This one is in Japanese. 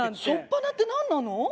「しょっぱな」ってなんなの？